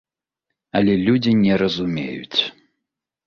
Але людзі не разумеюць.